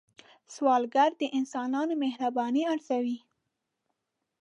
سوالګر د انسانانو مهرباني ارزوي